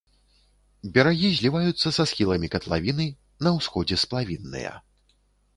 Берагі зліваюцца са схіламі катлавіны, на ўсходзе сплавінныя.